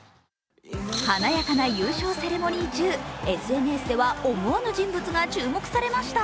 華やかな優勝セレモニー中、ＳＮＳでは思わぬ人物が注目されました。